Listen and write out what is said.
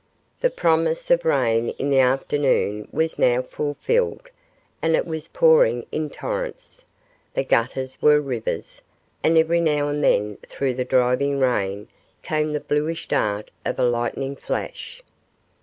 The promise of rain in the afternoon was now fulfilled, and it was pouring in torrents. The gutters were rivers, and every now and then through the driving rain came the bluish dart of a lightning flash.